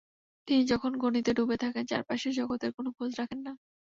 তিনি যখন গণিতে ডুবে থাকেন, চারপাশের জগতের কোনো খোঁজ রাখেন না।